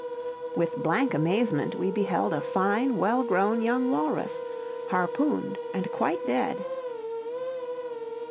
With blank amazement we beheld a fine, well grown young walrus, harpooned and quite dead.